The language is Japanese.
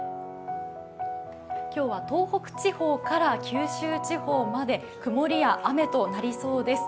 今日は東北地方から九州地方まで曇りや雨となりそうです。